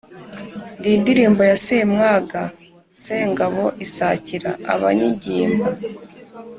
ndi indirima ya semwaga sengabo isarika abanyigimba.